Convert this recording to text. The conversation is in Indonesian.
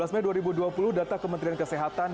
dua belas mei dua ribu dua puluh data kementerian kesehatan